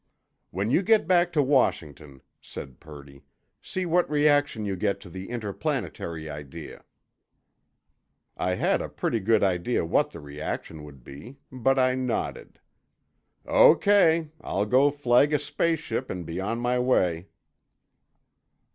"When you go back to Washington," said Purdy, "see what reaction you get to the interplanetary idea." I had a pretty good idea what the reaction would be, but I nodded. "O.K. I'll go flag a space ship and be on my way."